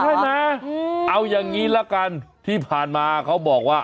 ใช่ไหมเอาอย่างนี้ละกันที่ผ่านมาเขาบอกว่า